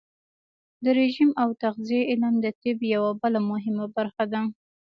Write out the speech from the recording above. د رژیم او تغذیې علم د طب یوه بله مهمه برخه ده.